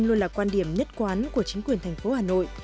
luôn là quan điểm nhất quán của chính quyền thành phố hà nội